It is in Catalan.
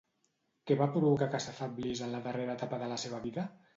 Què va provocar que s'afeblís en la darrera etapa de la seva vida?